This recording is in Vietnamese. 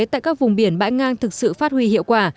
tại các vùng biển bãi ngang thực sự phát huy hiệu quả